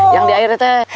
yang di air teh